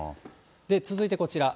続いてこちら。